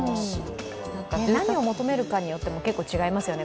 何を求めるかによっても違いますよね。